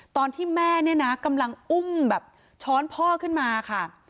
ตอนที่แม่เนี่ยนะกำลังอุ้มแบบช้อนพ่อขึ้นมาค่ะ